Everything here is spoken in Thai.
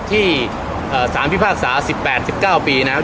ที่สามพิพากษา๑๘๑๙ปีน่ะ